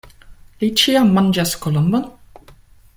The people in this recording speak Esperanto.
Li ĉiam manĝas kolombon?